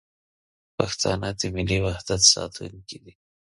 پښتانه د ملي وحدت ساتونکي دي.